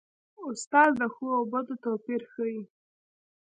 استاد د ښو او بدو توپیر ښيي.